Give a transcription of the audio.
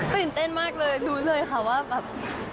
ตื่นเต้นมากเลยรู้เลยค่ะว่าแบบ